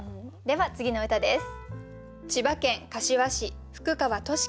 では次の歌です。